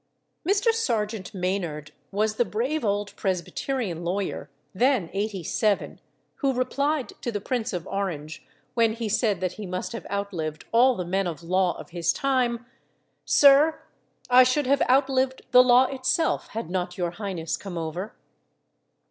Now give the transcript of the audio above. Mr. Serjeant Maynard was the brave old Presbyterian lawyer, then eighty seven, who replied to the Prince of Orange, when he said that he must have outlived all the men of law of his time "Sir, I should have outlived the law itself had not your highness come over."